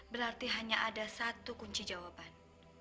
berarti hanya ada satu kunci jawaban